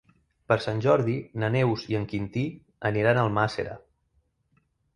Per Sant Jordi na Neus i en Quintí aniran a Almàssera.